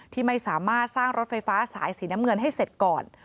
ที่ไม่สามารถสร้างรถไฟฟ้าสายสีน้ำเงินให้เสร็จก่อน